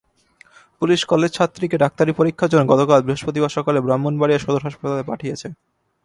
Police কলেজছাত্রীকে ডাক্তারি পরীক্ষার জন্য গতকাল বৃহস্পতিবার সকালে ব্রাহ্মণবাড়িয়া সদর হাসপাতালে পাঠিয়েছে।